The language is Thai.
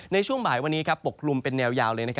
ในช่วงบ่ายวันนี้ปกคลุมเป็นแนวยาวเลย